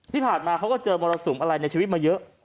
ที่ผ่านมาเขาก็เจอมรสุมอะไรในชีวิตมาเยอะ